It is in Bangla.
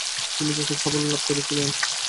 তিনি ব্যাপক সাফল্য লাভ করেছিলেন।